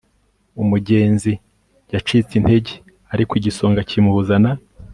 umugenzi yacitse intege, ariko igisonga kimuzana